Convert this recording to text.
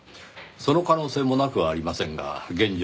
その可能性もなくはありませんが現状